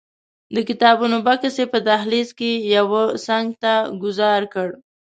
د کتابونو بکس یې په دهلیز کې یوه څنګ ته ګوزار کړ.